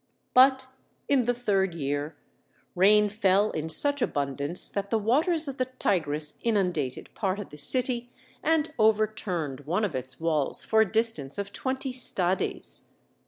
But, in the third year, rain fell in such abundance that the waters of the Tigris inundated part of the city and overturned one of its walls for a distance of twenty stades.